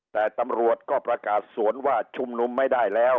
แต่ตำรวจก็ประกาศสวนว่าชุมนุมไม่ได้แล้ว